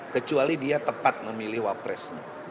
kecuali dia tepat memilih wapres